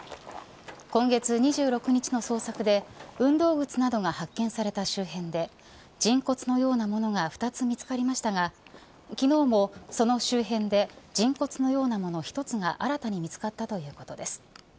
今月２６日の捜索で運動靴などが発見された周辺で人骨のようなものが２つ見つかりましたが、昨日もその周辺で人骨のようなもの１つが新たに見つかったということです。